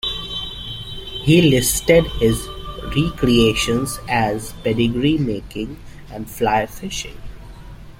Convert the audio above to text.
He listed his recreations as pedigree making and fly fishing.